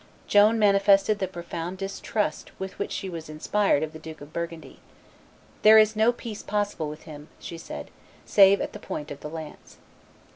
Joan manifested the profound distrust with which she was inspired of the Duke of Burgundy. There is no peace possible with him," she said, "save at the point of the lance."